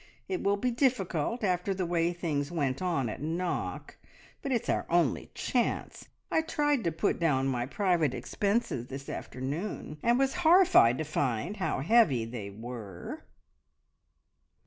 It will be difficult after the way things went on at Knock, but it's our only chance. I tried to put down my private expenses this afternoon, and was horrified to find how heavy they were."